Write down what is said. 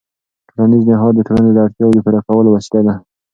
ټولنیز نهاد د ټولنې د اړتیاوو د پوره کولو وسیله ده.